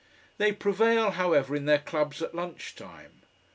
They prevail, however, in their clubs at lunch time.